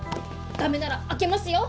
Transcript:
駄目なら開けますよ！